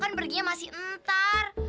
kan perginya masih entar